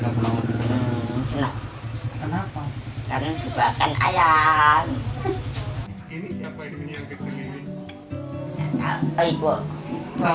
kami juga mencari jalan untuk mencari jalan